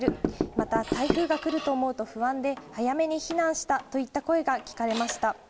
また台風が来ると思うと不安で、早めに避難したといった声が聞かれました。